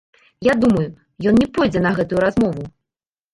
Я думаю, ён не пойдзе на гэтую размову.